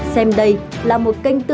xem đây là một kênh tin tức